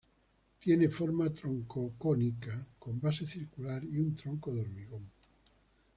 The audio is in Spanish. Tiene forma troncocónica con base circular y un tronco de hormigón.